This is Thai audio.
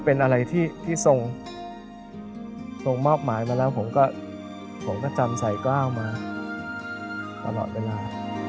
เป็นอะไรที่ทรงมอบหมายมาแล้วผมก็ผมก็จำใส่กล้าวมาตลอดเวลา